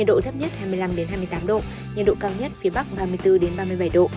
độ thấp nhất hai mươi năm hai mươi tám độ nhiệt độ cao nhất phía bắc ba mươi bốn ba mươi bảy độ